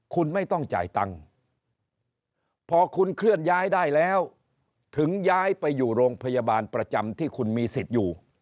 คุณไม่ต้องจ่ายตังค์พอคุณเคลื่อนย้ายได้แล้วถึงย้ายไปอยู่โรงพยาบาลประจำที่คุณมีสิทธิ์อยู่